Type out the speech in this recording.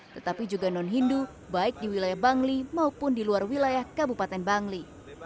tetapi juga non hindu baik di wilayah bangli maupun di luar wilayah kabupaten bangli